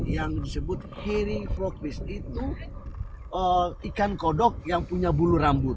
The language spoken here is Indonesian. yang disebut hairy frog fish itu ikan kodok yang punya bulu rambut